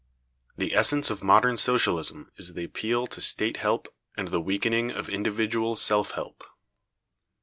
The essence of modern socialism is the appeal to state help and the weakening of individual self help.